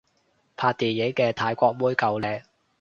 拍電影嘅泰國妹夠靚